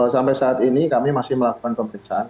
sampai saat ini kami masih melakukan pemeriksaan